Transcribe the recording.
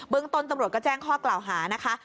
ต้นตำรวจก็แจ้งข้อกล่าวหานะคะ